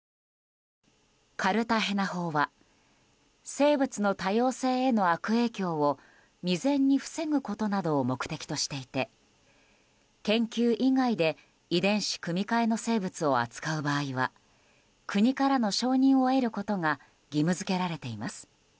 カルタヘナ法は生物の多様性への悪影響を未然に防ぐことなどを目的としていて研究以外で遺伝子組み換えの生物を扱う場合は国からの承認を得ることが義務付けられています。